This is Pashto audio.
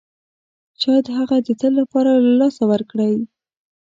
شاید هغه د تل لپاره له لاسه ورکړئ.